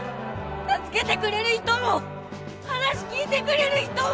助けてくれる人も話聞いてくれる人も！